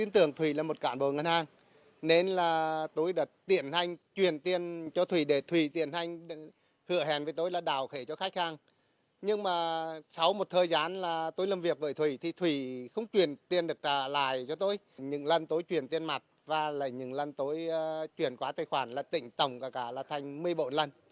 thủy không truyền tiền được trả lại cho tôi những lần tôi truyền tiền mặt và những lần tôi truyền qua tài khoản là tỉnh tổng cả thành một mươi bộ lần